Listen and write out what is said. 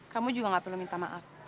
kamu juga gak perlu minta maaf